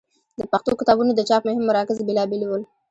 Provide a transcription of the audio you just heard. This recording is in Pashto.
د پښتو کتابونو د چاپ مهم مراکز بېلابېل ول.